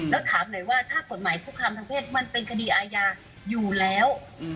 แล้วถามหน่อยว่าถ้ากฎหมายคุกคามทางเพศมันเป็นคดีอาญาอยู่แล้ว